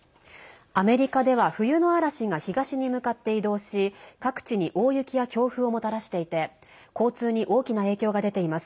アメリカでは冬の嵐が東に向かって移動し各地に大雪や強風をもたらしていて交通に大きな影響が出ています。